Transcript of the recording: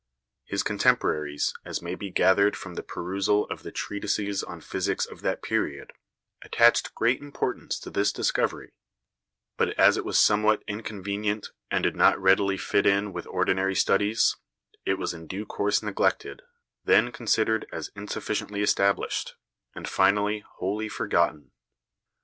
His contemporaries, as may be gathered from the perusal of the treatises on physics of that period, attached great importance to this discovery; but, as it was somewhat inconvenient and did not readily fit in with ordinary studies, it was in due course neglected, then considered as insufficiently established, and finally wholly forgotten.